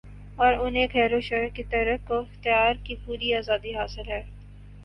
اور انھیں خیروشر کے ترک و اختیار کی پوری آزادی حاصل ہے